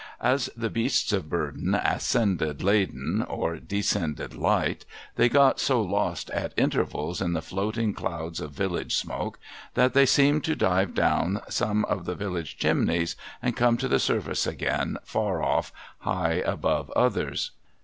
As the beasts of burden ascended laden, or de scended light, they got so lost at intervals in the floating clouds of village smoke, that they seemed to dive down some of the village chimneys, and come to the surface again far off, high above others.